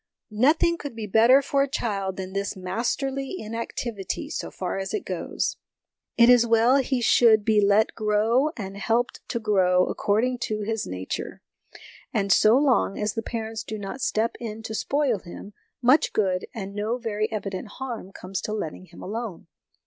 Nothing could be better for the child than this ' masterly inactivity,' so far as it goes. It is well he should be let grow and helped to grow according to his nature ; and so long as the parents do not step in to spoil him, much good and no very evident harm comes of letting him alone.